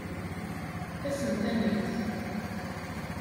Tasentanalt.